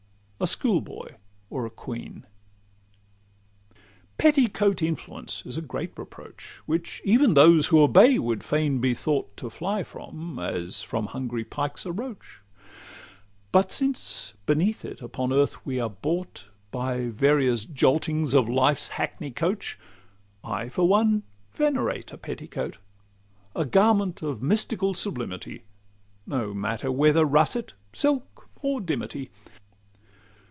a schoolboy or a queen? 'Petticoat influence' is a great reproach, Which even those who obey would fain be thought To fly from, as from hungry pikes a roach; But since beneath it upon earth we are brought, By various joltings of life's hackney coach, I for one venerate a petticoat— A garment of a mystical sublimity, No matter whether russet, silk, or dimity.